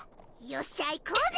よっしゃ行こうぜ！